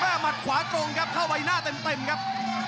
หมัดขวาตรงครับเข้าใบหน้าเต็มครับ